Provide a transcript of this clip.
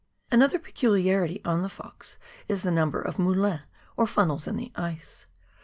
Another peculiarity on the Fox is the number of monVin^ or funnels in the ice.